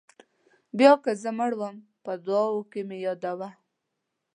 بیا که زه مړ وم په دعاوو کې مې یادوه.